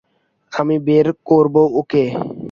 আমি বের করবো ওকে।